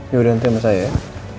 ya udah nanti sama saya ya